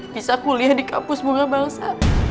bisa kuliah di kampus bunga bangsa